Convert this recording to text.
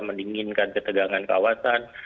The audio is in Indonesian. mendinginkan ketegangan kawasan